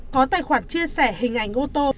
có tài khoản chia sẻ hình ảnh ô tô